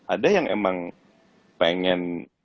ada yang emang pengen